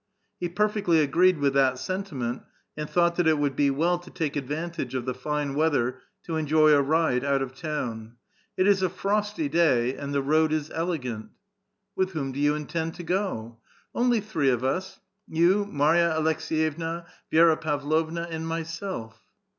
*' He perfectly agreed with that sentiment, and thought that it would be well to take advantage of the fine weather to enjoy a ride out of town :*' It is a frosty day, and the road is elegant." " With whom do you intend to go?" '* Only three of us, — you, Marya Aleks^yevna, Vi^raPav lovna, and myself."